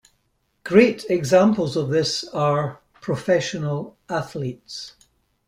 Great examples of this are professional athletes.